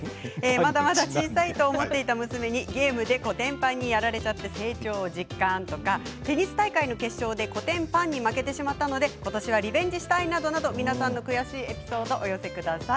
まだまだ小さいと思っていた娘にゲームでこてんぱんにやられちゃって成長を実感とかテニス大会の決勝でこてんぱんに負けてしまったので今年はリベンジしたいなどなど皆さんの悔しいエピソードをお寄せください。